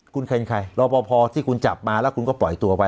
คุณเป็นใครรอปภที่คุณจับมาแล้วคุณก็ปล่อยตัวไป